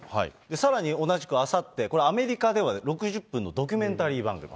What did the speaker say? さらに同じくあさって、これ、アメリカでは６０分のドキュメンタリー番組。